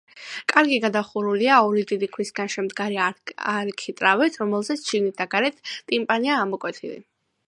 კარი გადახურულია ორი დიდი ქვისგან შემდგარი არქიტრავით, რომელზეც, შიგნით და გარეთ, ტიმპანია ამოკვეთილი.